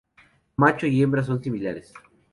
Macho y hembra son similares.